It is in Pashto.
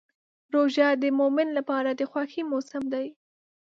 روژه د مؤمن لپاره د خوښۍ موسم دی.